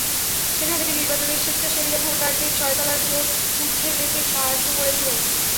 সেখান থেকে নির্বাচনের স্বেচ্ছাসেবীরা ভোটারদের ছয়তলার ভোট বুথে যেতে সাহায্য করছিলেন।